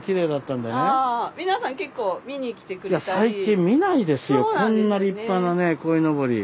最近見ないですよこんな立派なねこいのぼり。